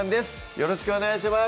よろしくお願いします